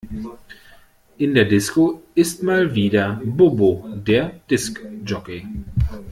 In der Disco ist mal wieder Bobo der Disk Jockey.